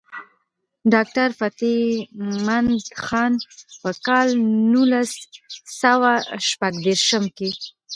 ډاکټر فتح مند خان پۀ کال نولس سوه شپږ دېرشم کښې